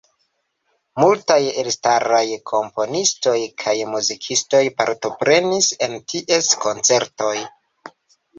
Multaj elstaraj komponistoj kaj muzikistoj partoprenis en ties koncertoj.